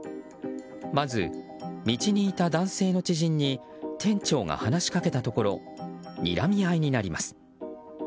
まず、道にいた男性の知人に店長が話しかけたところにらみ合いになります。